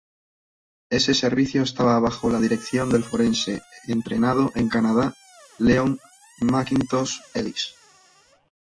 Ese Servicio estaba bajo la dirección del forense entrenado en Canadá Leon MacIntosh Ellis.